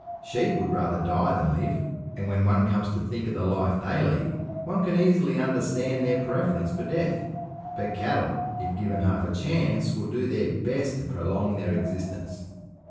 Sheep would rather die than live and when one comes to think of the life they lead, one can easily understand their preference for death; but cattle, if given half a chance, will do their best to prolong their existence.